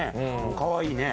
かわいいね。